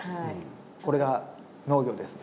これが農業です。